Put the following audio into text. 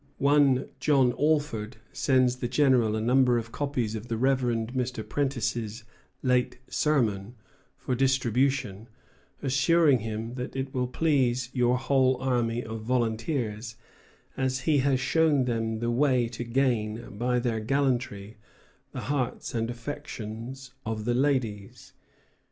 One John Alford sends the General a number of copies of the Reverend Mr. Prentice's late sermon, for distribution, assuring him that "it will please your whole army of volunteers, as he has shown them the way to gain by their gallantry the hearts and affections of the Ladys."